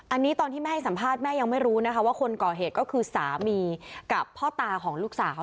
อันนี้ตอนที่แม่ให้สัมภาษณ์แม่ยังไม่รู้นะคะว่าคนก่อเหตุก็คือสามีกับพ่อตาของลูกสาว